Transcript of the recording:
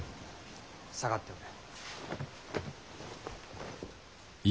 下がっておれ。